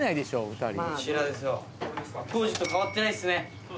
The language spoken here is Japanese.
当時と変わってないっすね。